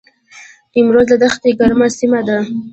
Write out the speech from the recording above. نیمروز د دښتې ګرمه سیمه ده